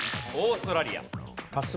オーストラリア。